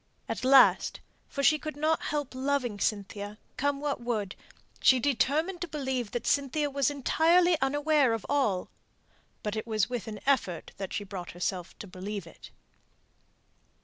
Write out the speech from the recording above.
At last for she could not help loving Cynthia, come what would she determined to believe that Cynthia was entirely unaware of all; but it was with an effort that she brought herself to believe it.